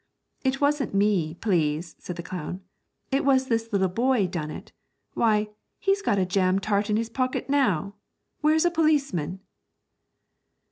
'It wasn't me, please,' said the clown; 'it was this little boy done it. Why, he's got a jam tart in his pocket now. Where's a policeman?'